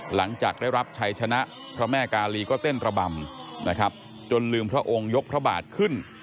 หลังจากได้รับชัยชนะพระแม่กาลีก็เต้นระบำนะครับจนลืมพระองค์ยกพระบาทขึ้น